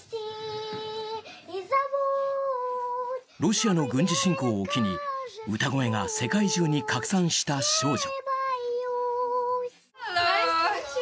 ロシアの軍事侵攻を機に歌声が世界中に拡散した少女。